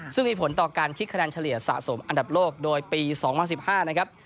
ซึ่งมีผลต่อการคิดคะแนนเฉลี่ยสะสมอันดับโลกโดยปี๒๐๑๕นะครับ